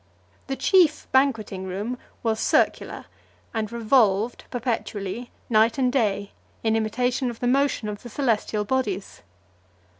The chief banqueting room was circular, and revolved perpetually, night and day, in imitation of the motion of the celestial bodies.